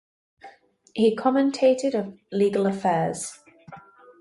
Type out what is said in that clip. He commentated of legal affairs.